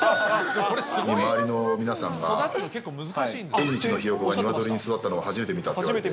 周りの皆さんが、縁日のヒヨコがニワトリに育ったの、初めて見たって言われて。